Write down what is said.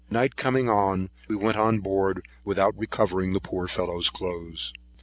Night coming on, we went on board, without recovering the poor fellow's cloathes.